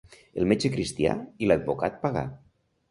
El metge cristià i l'advocat pagà.